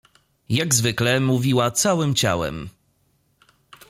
Jak zwykle — mówiła całym ciałem.